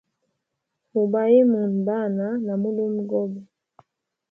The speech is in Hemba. Mubayimune Bana na mulumegobe.